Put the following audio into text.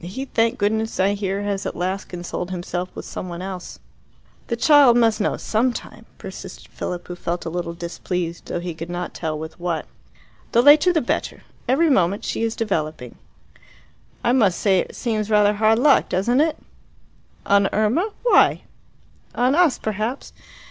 He, thank goodness, I hear, has at last consoled himself with someone else." "The child must know some time," persisted Philip, who felt a little displeased, though he could not tell with what. "The later the better. Every moment she is developing." "I must say it seems rather hard luck, doesn't it?" "On Irma? Why?" "On us, perhaps.